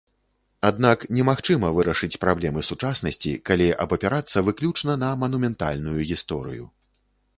Аднак немагчыма вырашыць праблемы сучаснасці, калі абапірацца выключна на манументальную гісторыю.